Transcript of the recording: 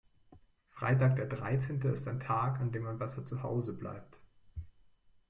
Freitag der dreizehnte ist ein Tag, an dem man besser zu Hause bleibt.